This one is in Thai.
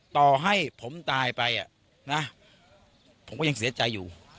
ต่อให้ผมตายไปนะผมก็ยังเสียใจอยู่